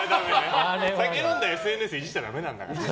酒飲んでＳＮＳいじっちゃダメなんだから。